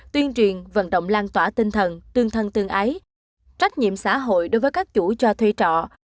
tuyên truyền vận động lan tỏa tinh thần tương thân tương ái trách nhiệm xã hội đối với các chủ cho thuê trọ